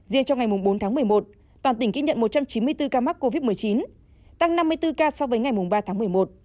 riêng trong ngày bốn tháng một mươi một toàn tỉnh ghi nhận một trăm chín mươi bốn ca mắc covid một mươi chín tăng năm mươi bốn ca so với ngày ba tháng một mươi một